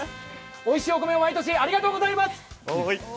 おいしいお米を毎年、ありがとうございます！